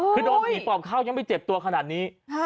คือโดนผีปอบเข้ายังไม่เจ็บตัวขนาดนี้